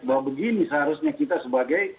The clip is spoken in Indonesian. bahwa begini seharusnya kita sebagai